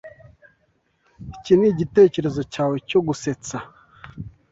Iki nigitekerezo cyawe cyo gusetsa?